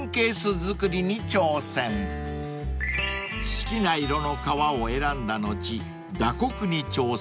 ［好きな色の革を選んだ後打刻に挑戦］